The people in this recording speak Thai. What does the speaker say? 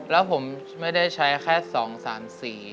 แล้วผมไม่ได้ใช้แค่๒๓สี